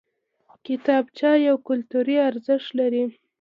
کتابچه یو کلتوري ارزښت لري